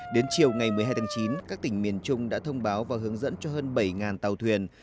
đến chiều ngày một mươi hai tháng chín các tỉnh miền trung đã thông báo và hướng dẫn cho hơn bảy tàu thuyền